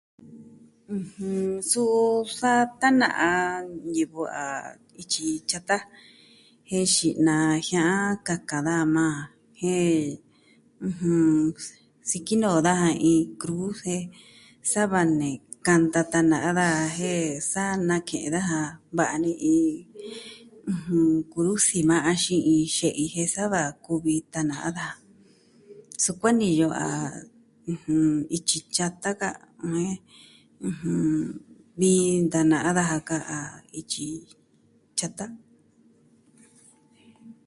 Suu, sa ntana'a ñivɨ a ityi tyata jen xi'na jia'an kakan daja majan jen sikinoo iin kurusi jen sava ne kanta tana'a daja jen saa nake'en daja va'a ni iin kurusi yukuan axin iin xe'i jen sa va kuvi tana'a daja. Sukuan niyo a ɨjɨn, ityi tyata ka jen vi ntana'a daja ka a ityi tyata.